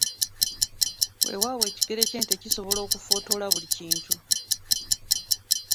Weewaawo ekigere ky’ente kisobola okufootola buli kintu.